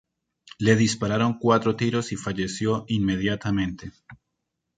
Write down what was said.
Le dispararon cuatro tiros y falleció inmediatamente.